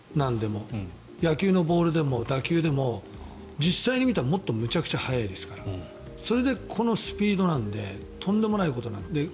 野球のボールでも打球でも実際に見たらもっとむちゃくちゃ速いですからそれでこのスピードなのでとんでもないこと。